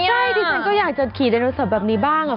ใช่ดิฉันก็อยากจะขี่ไดโนเสาร์แบบนี้บ้าง